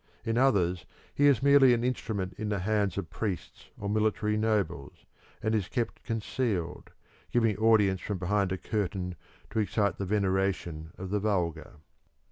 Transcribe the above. In others he is merely an instrument in the hands of priests or military nobles, and is kept concealed, giving audience from behind a curtain to excite the veneration of the vulgar.